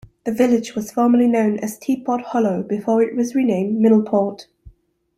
The village was formerly known as Tea-Pot Hollow before it was renamed Middleport.